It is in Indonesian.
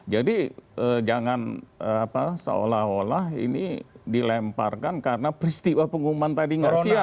jadi jangan apa seolah olah ini dilemparkan karena peristiwa pengumuman tadi ngersiam